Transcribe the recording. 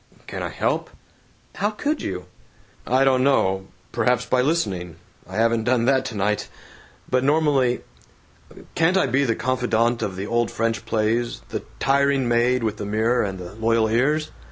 "Can I help?" "How could you?" "I don't know. Perhaps by listening. I haven't done that tonight. But normally Can't I be the confidant of the old French plays, the tiring maid with the mirror and the loyal ears?"